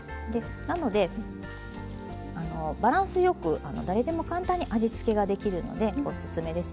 なのでバランスよく誰でも簡単に味付けができるのでおすすめです。